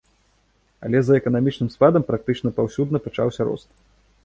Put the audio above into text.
Але за эканамічным спадам практычна паўсюдна пачаўся рост.